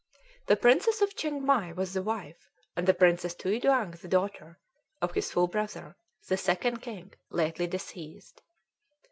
The Princess of Chiengmai was the wife, and the Princess Tui Duang the daughter, of his full brother, the Second King, lately deceased.